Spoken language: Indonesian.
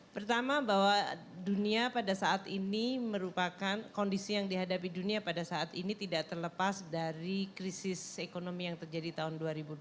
pertama bahwa dunia pada saat ini merupakan kondisi yang dihadapi dunia pada saat ini tidak terlepas dari krisis ekonomi yang terjadi tahun dua ribu dua puluh